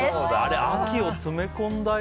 秋を詰め込んだような。